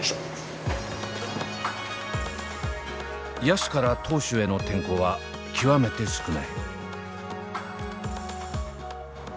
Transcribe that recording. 野手から投手への転向は極めて少ない。